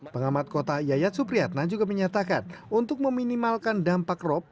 pengamat kota yayat supriyatna juga menyatakan untuk meminimalkan dampak rop